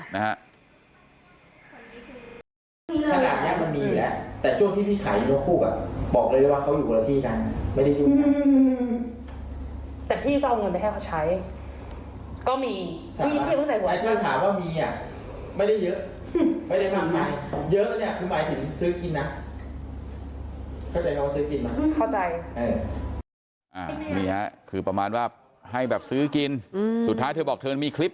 นี่ฮะคือประมาณว่าให้แบบซื้อกินสุดท้ายเธอบอกเธอมีคลิป